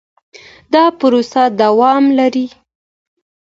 دا پروسه دوام لري.